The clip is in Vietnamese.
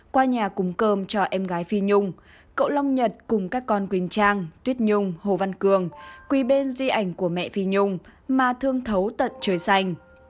qua nhà cung cơm cho em gái phi nhung cậu long nhật cùng các con quỳnh trang tuyết nhung hồ văn cường quỳ bên di ảnh của mẹ phi nhung mà thương thấu tận chơi xanh